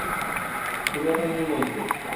তুমি এখন মূল মঞ্চে!